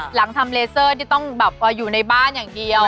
หลังทำเลเซอร์ที่ต้องแบบอยู่ในบ้านอย่างเดียว